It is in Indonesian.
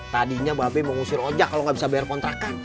tadinya mbak ben mau ngusir ojak kalau gak bisa bayar kontrakan